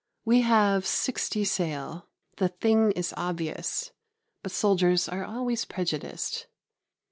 We have sixty sail. The thing is obvious; but soldiers are always prejudiced.